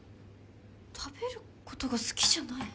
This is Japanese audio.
食べることが好きじゃない？